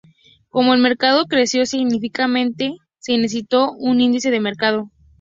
Como el mercado creció significativamente se necesitó un índice de mercado.